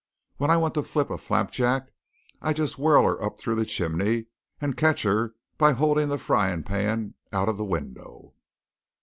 When I want to flip a flapjack I just whirl her up through the chimney and catch her by holdin' the frying pan out'n the window!"